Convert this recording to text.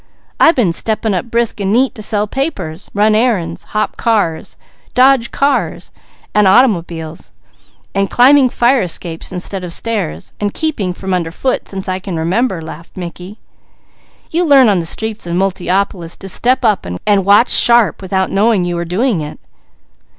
"I been 'stepping up brisk and neat' to sell papers, run errands, hop cars, dodge cars and automobiles, and climbing fire escapes instead of stairs, and keeping from under foot since I can remember," laughed Mickey. "You learn on the streets of Multiopolis to step up, and watch sharp without knowing you are doing it."